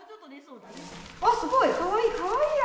わあすごい！かわいいかわいい赤。